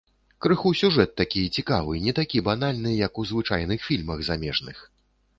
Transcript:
Крыху сюжэт такі цікавы, не такі банальны, як у звычайных фільмах замежных.